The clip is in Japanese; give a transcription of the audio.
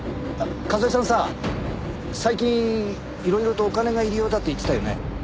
和江さんさ最近いろいろとお金が入り用だって言ってたよね？